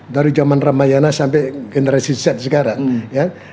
dari zaman ramayana sampai generasi z sekarang ya